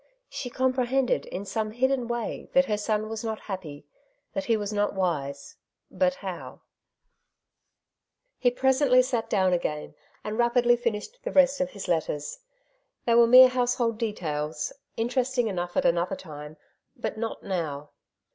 She compre hended in some hidden way that her son was not happy, that he was not wise ; but how ? He presently sat down again, and rapidly finished the rest of his letters. They were mere household details, interesting enough at another time; but not now.